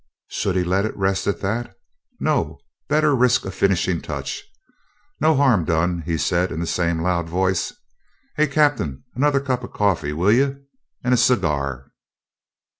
Should he let it rest at that? No, better risk a finishing touch. "No harm done," he said in the same loud voice. "Hey, captain, another cup of coffee, will you? And a cigar."